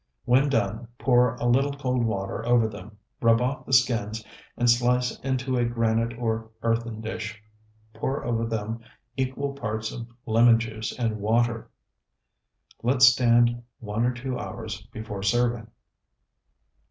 When done, pour a little cold water over them, rub off the skins, and slice into a granite or earthen dish; pour over them equal parts of lemon juice and water. Let stand one or two hours before serving.